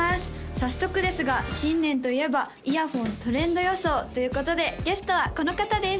早速ですが新年といえばイヤホントレンド予想ということでゲストはこの方です